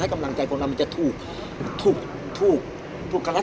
พี่อัดมาสองวันไม่มีใครรู้หรอก